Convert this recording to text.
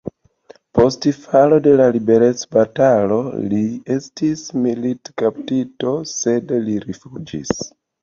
Post falo de la liberecbatalo li estis militkaptito, sed li rifuĝis.